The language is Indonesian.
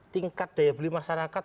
tingkat daya beli masyarakat